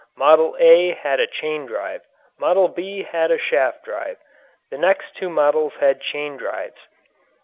"Model A" had a chain drive. "Model B" had a shaft drive. The next two models had chain drives.